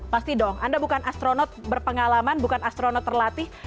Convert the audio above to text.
pasti dong anda bukan astronot berpengalaman bukan astronot terlatih